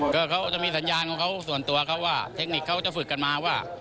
ก็เขาจะมีสัญญาณของเขาส่วนตัวเขาว่าเทคนิคเขาจะฝึกกันมาว่า